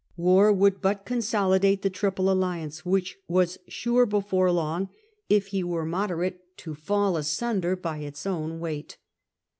War would but consolidate the Triple Alliance, which was sure before long, if he were mode rate, to fall asunder by its own weight.